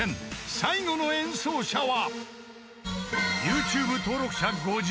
［最後の演奏者は］